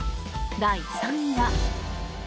第３位は。